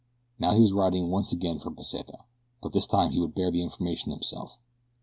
Now he was riding once again for Pesita; but this time he would bear the information himself.